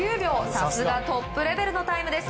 さすがトップレベルのタイムです。